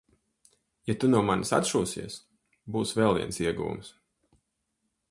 Ja tu no manis atšūsies, būs vēl viens ieguvums.